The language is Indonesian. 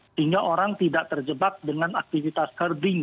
sehingga orang tidak terjebak dengan aktivitas herding